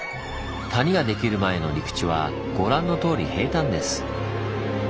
谷ができる前の陸地はご覧のとおり平たんです。